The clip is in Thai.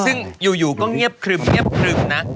ซึ่งอยู่ก็เงียบครึมเงียบครึมนะ